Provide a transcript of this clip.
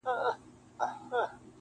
o زه دي پلار یم نصیحت مکوه ماته,